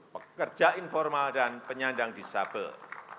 pekerja informal dan penyandang disabel